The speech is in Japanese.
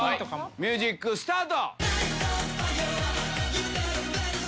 ミュージックスタート！